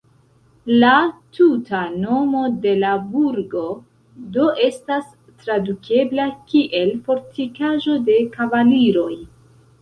La tuta nomo de la burgo do estas tradukebla kiel "fortikaĵo de kavaliroj".